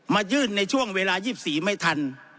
มายื่นในช่วงเวลา๒๔ไม่ทัน